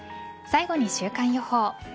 最後に週間予報。